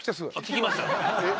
聞きました！